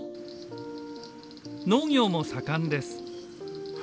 農業も盛んです。